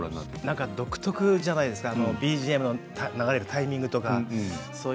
独特じゃないですかＢＧＭが流れるタイミングとか。